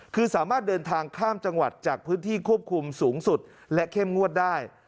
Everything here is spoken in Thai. คือสามารถเดินทางข้ามจังหวัดจากพื้นที่ควบคุมสูงสุดและเข้มงวดได้